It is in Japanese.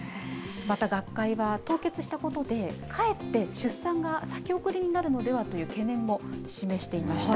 また学会は、凍結したことで、かえって出産が先送りになるのではと懸念も示していました。